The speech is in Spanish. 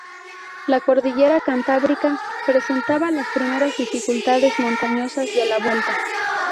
La cordillera Cantábrica presentaba las primeras dificultades montañosas de la Vuelta.